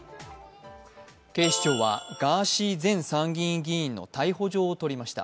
警視長はガーシー前参院議員の逮捕状を取りました。